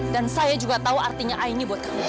dan saya juga tau artinya ainir buat kamu